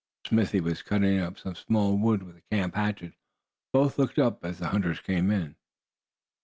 Smithy was cutting up some small wood with the camp hatchet. Both looked up as the hunters came in.